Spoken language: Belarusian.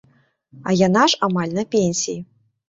А яна ж амаль на пенсіі.